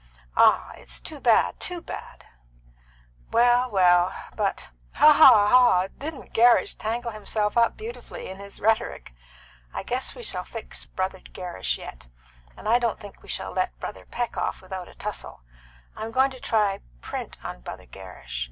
Ah, it's too bad, too bad! Well! well! But haw! haw! haw! didn't Gerrish tangle himself up beautifully in his rhetoric? I guess we shall fix Brother Gerrish yet, and I don't think we shall let Brother Peck off without a tussle. I'm going to try print on Brother Gerrish.